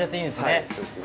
はいそうですね。